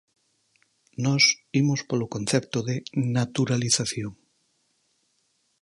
Nós imos polo concepto de "naturalización".